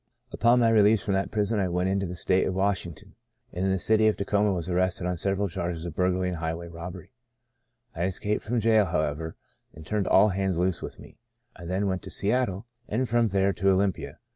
Upon my re 104 Sons of Ishmael lease from that prison I went into the state of Washington, and in the city of Tacoma was arrested on several charges of burglary and highway robbery. I escaped from jail, however, and turned all hands loose with me. I then went to Seattle, and from there to Olympia.